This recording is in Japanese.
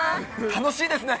楽しいですね。